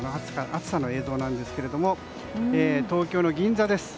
暑さの映像なんですけれども東京の銀座です。